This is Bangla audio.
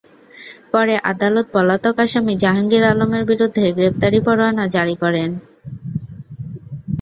পরে আদালত পলাতক আসামি জাহাঙ্গীর আলমের বিরুদ্ধে গ্রেপ্তারি পরোয়ানা জারি করেন।